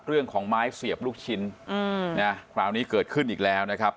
เรื่องของไม้เสียบลูกชิ้นคราวนี้เกิดขึ้นอีกแล้วนะครับ